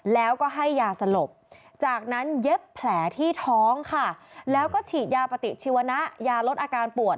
แล้วก็ให้ยาสลบจากนั้นเย็บแผลที่ท้องค่ะแล้วก็ฉีดยาปฏิชีวนะยาลดอาการปวด